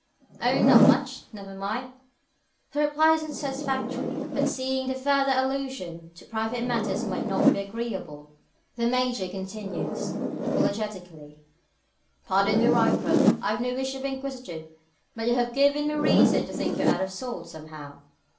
"Oh, not much never mind." The reply is little satisfactory. But seeing that further allusion to private matters might not be agreeable, the Major continues, apologetically "Pardon me, Ryecroft. I've no wish to be inquisitive; but you have given me reason to think you out of sorts, somehow.